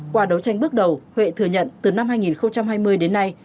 qua đấu tranh bước đầu huệ thừa nhận từ năm hai nghìn hai mươi đến nay